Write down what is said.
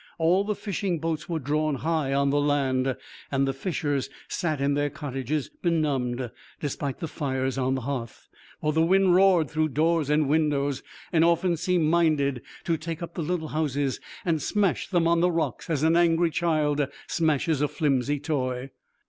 All the fishing boats were drawn high on the land, and the fishers sat in their cottages benumbed, despite the fires on the hearth, for the wind roared through doors and windows and often seemed minded to take up the little houses and smash them on the rocks as an angry child smashes a flimsy toy.